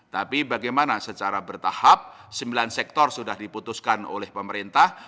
tapi bagaimana secara bertahap sembilan sektor sudah diputuskan oleh pemerintah